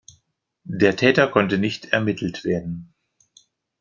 Der Täter konnte nicht ermittelt werden.